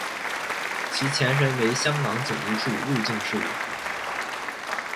其前身为香港警务处入境事务部。